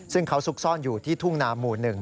ซึ่งเขาซุกซ่อนอยู่ที่ทุ่งนาหมู่๑